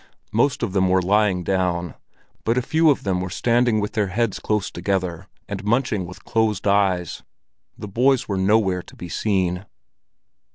Most of them were lying down, but a few of them were standing with their heads close together, and munching with closed eyes. The boys were nowhere to be seen.